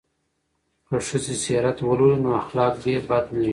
که ښځې سیرت ولولي نو اخلاق به بد نه وي.